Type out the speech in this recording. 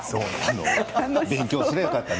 勉強すればよかったね。